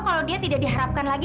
kalau dia tidak diharapkan lagi